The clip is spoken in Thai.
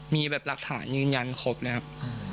มีแบบหลักฐานยืนยันครบเลยครับ